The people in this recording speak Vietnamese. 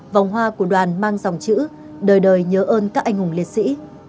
vòng hoa của đoàn mang dòng chữ đời đời nhớ ơn các anh hùng liệt sĩ